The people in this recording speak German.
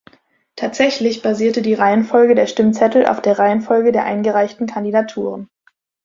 Tatsächlich basierte die Reihenfolge der Stimmzettel auf der Reihenfolge der eingereichten Kandidaturen.